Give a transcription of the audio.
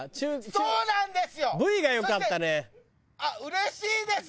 そうなんです